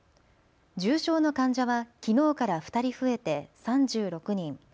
重症の患者はきのうから２人増えて３６人。